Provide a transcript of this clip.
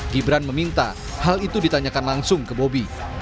gibran meminta hal itu ditanyakan langsung ke bobi